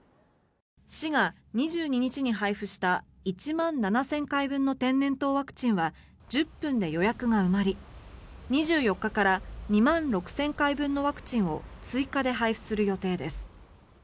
市が２２日に配布した１万７０００回分の天然痘ワクチンは１０分で予約が埋まり２４日から２万６０００回分のワクチンを追加で配布する予定です。